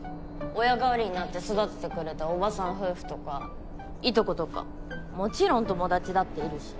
親代わりになって育ててくれた伯母さん夫婦とか従姉妹とかもちろん友達だっているし。